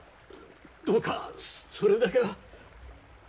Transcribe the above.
どうかそれだけは。